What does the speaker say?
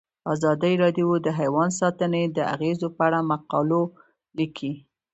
ازادي راډیو د حیوان ساتنه د اغیزو په اړه مقالو لیکلي.